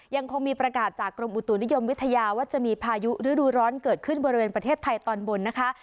ยังคงมีประกาศจากกรมอุตุนิยมวิทยาว่าจะมีพายุฤดูร้อนเกิดขึ้นบริเวณประเทศไทยตอนบนนะคะ